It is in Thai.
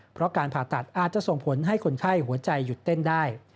เพราะการผ่าตัดอาจจะส่งผลให้คนไข้หัวใจหยุดเต้นได้